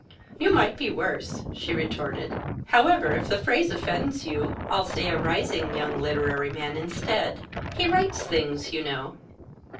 "You might be worse," she retorted. "However, if the phrase offends you, I'll say a rising young literary man, instead. He writes things, you know."